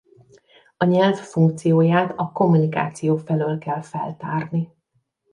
A nyelv funkcióját a kommunikáció felől kell feltárni.